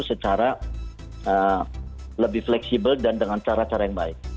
secara lebih fleksibel dan dengan cara cara yang baik